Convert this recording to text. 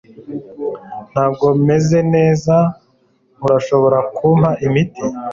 Ntabwo meze neza Urashobora kumpa imiti